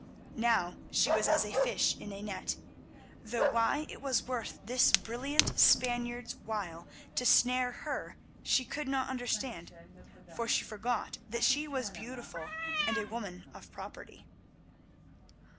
Now she was as a fish in a net, though why it was worth this brilliant Spaniard's while to snare her she could not understand, for she forgot that she was beautiful and a woman of property.